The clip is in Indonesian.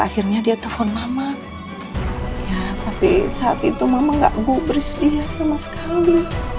akhirnya dia telpon mama ya tapi saat itu mama gak gubris dia sama sekali